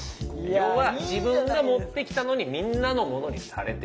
要は自分が持ってきたのにみんなのものにされてしまったという。